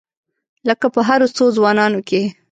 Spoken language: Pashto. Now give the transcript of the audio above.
لکه په هرو څو ځوانانو کې.